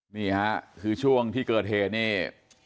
นี่หาคือช่วงพี่เกอร์เทเนี่ย